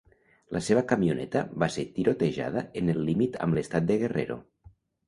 La seva camioneta va ser tirotejada en el límit amb l'estat de Guerrero.